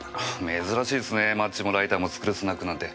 珍しいですねマッチもライターも作るスナックなんて。